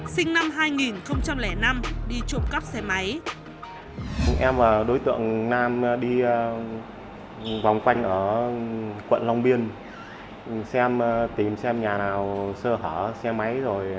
sinh năm hai nghìn năm đi trộm cắp xe máy